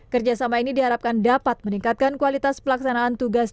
kerjasama ini diharapkan dapat meningkatkan kualitas pelaksanaan tugas